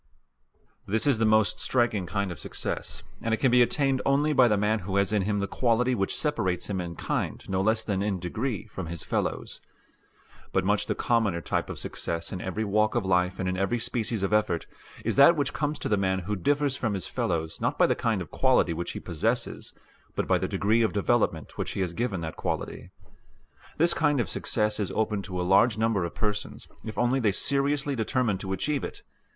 This is the most striking kind of success, and it can be attained only by the man who has in him the quality which separates him in kind no less than in degree from his fellows. But much the commoner type of success in every walk of life and in every species of effort is that which comes to the man who differs from his fellows not by the kind of quality which he possesses but by the degree of development which he has given that quality. This kind of success is open to a large number of persons, if only they seriously determine to achieve it.